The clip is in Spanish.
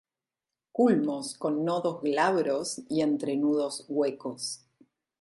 Culmos con nodos glabros y entrenudos huecos.